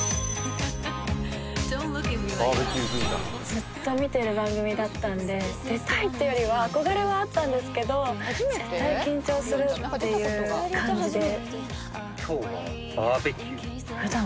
ずっと見てる番組だったんで出たいっていうよりは憧れはあったんですけど絶対緊張するっていう感じで。